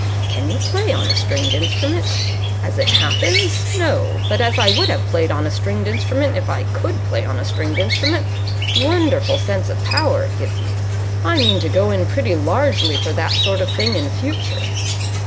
"Can you play on a stringed instrument?" "As it happens, no. But as I would have played on a stringed instrument if I could play on a stringed instrument. Wonderful sense of power it gives you. I mean to go in pretty largely for that sort of thing in future."